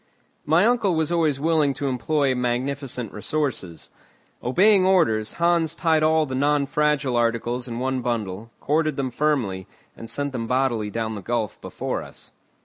My uncle was always willing to employ magnificent resources. Obeying orders, Hans tied all the non fragile articles in one bundle, corded them firmly, and sent them bodily down the gulf before us.